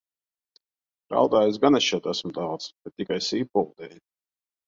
Raudājusi gan es šeit esmu daudz, bet tikai sīpolu dēļ.